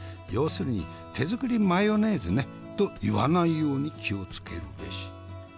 「要するに手作りマヨネーズね」と言わないように気を付けるべし。